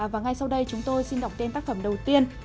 và ngay sau đây chúng tôi xin đọc tên tác phẩm đầu tiên